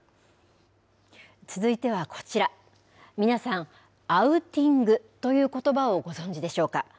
続いてはこちら、皆さん、アウティングということばをご存じでしょうか。